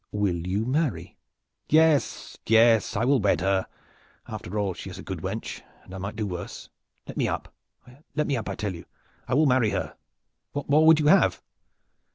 "Will you marry?" "Yes, yes, I will wed her! After all she is a good wench and I might do worse. Let me up! I tell you I will marry her! What more would you have?"